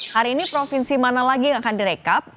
hari ini provinsi mana lagi yang akan direkap